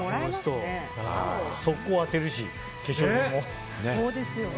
速攻当てるし、化粧品も。